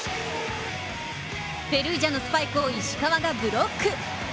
ペルージャのスパイクを石川がブロック。